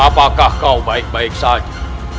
apakah kau baik baik saja